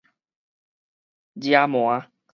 遮瞞